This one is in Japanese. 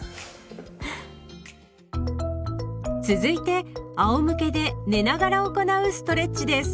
続いてあおむけで寝ながら行うストレッチです。